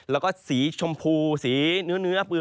แล้วก็สีชมพูสีเนื้อปืน